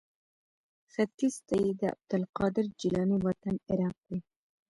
ختیځ ته یې د عبدالقادر جیلاني وطن عراق دی.